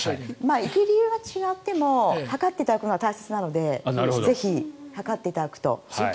行く理由が違っても測っていただくのは大切なのでぜひ測っていただけると。